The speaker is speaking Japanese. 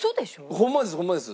ホンマですホンマです。